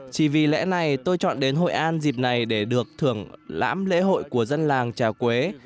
chỉ vì lẽ này tôi chọn đến hội an dịp này để được thưởng lãm lễ hội của dân làng trà quế